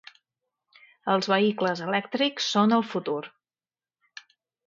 Els vehicles elèctrics són el futur.